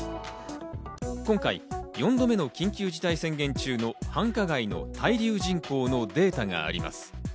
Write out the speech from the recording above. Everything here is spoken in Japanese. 今回４度目の緊急事態宣言中の繁華街の滞留人口のデータがあります。